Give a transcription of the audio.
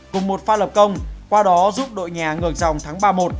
cùng một pha lập công qua đó giúp đội nhà ngược dòng tháng ba một